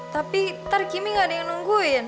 tapi ntar kimi gak ada yang nungguin